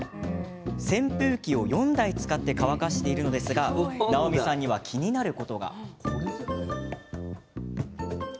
扇風機を４台使って乾かしているのですがなおみさんには気になることが。